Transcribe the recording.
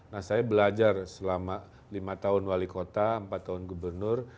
nah saya belajar selama lima tahun wali kota empat tahun gubernur